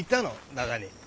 中に。